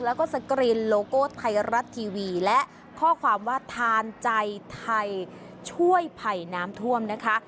แล้วก็สกรีนโลโก้ไทยรัฐทีวีและข้อความว่าทานใจไทยช่วยไผ่น้ำท่วมนะคะ